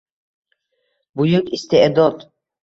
Buyuk iste’dod